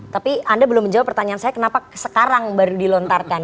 tapi anda belum menjawab pertanyaan saya kenapa sekarang baru dilontarkan